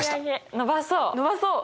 伸ばそう！